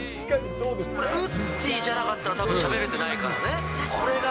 これ、ウッディじゃなかったら、たぶんしゃべれてないからね。